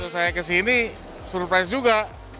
saya kesini surprise juga